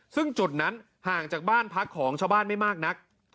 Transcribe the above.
ซึ่งจุดนั้นห่างจากบ้านพักของชาวบ้านไม่มากนัก